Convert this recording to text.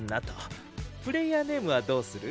プレーヤーネームはどうする？